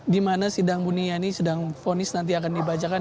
di mana sidang buniani sedang vonis nanti akan dibacakan